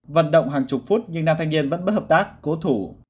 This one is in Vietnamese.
vận động hàng chục phút nhưng nam thanh niên vẫn bất hợp tác cố thủ